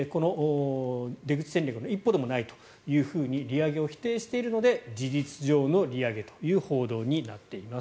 出口戦略の一歩ではないと利上げを否定しているので事実上の利上げという報道になっています。